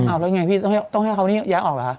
แล้วไงพี่ต้องให้เขานี่ย้ายออกเหรอคะ